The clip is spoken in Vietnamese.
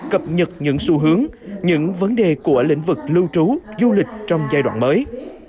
cập nhật những xu hướng những vấn đề của lĩnh vực lưu trú du lịch trong giai đoạn mới